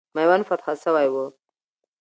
میوند فتح سوی وو.